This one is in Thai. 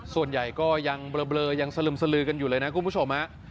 ส่วนใหญ่ก็ยังเบลอยังสลึมสลือกันอยู่เลยนะคุณผู้ชมฮะ